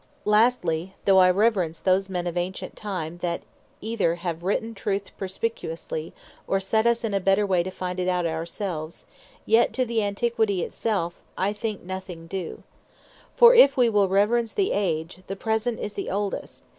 Lastly, though I reverence those men of Ancient time, that either have written Truth perspicuously, or set us in a better way to find it out our selves; yet to the Antiquity it self I think nothing due: For if we will reverence the Age, the Present is the Oldest.